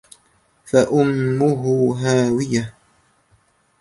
فَأُمُّهُ هَاوِيَةٌ